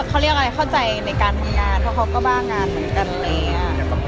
เค้าเข้าใจในการทำงานเค้าก็บ้างงานเหมือนกันเลยอะ